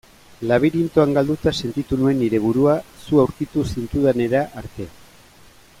Labirintoan galduta sentitu nuen nire burua zu aurkitu zintudanera arte.